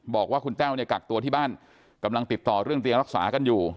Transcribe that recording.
บอกว่าคุณแต้วเนี่ยกักตัวที่บ้านกำลังติดต่อเรื่องเตียงรักษากันอยู่